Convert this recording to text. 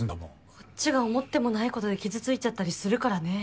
こっちが思ってもないことで傷ついちゃったりするからね。